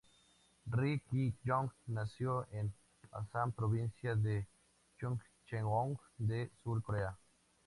Ri Ki-Yong nació en Asan, provincia de Chungcheong del Sur, Corea.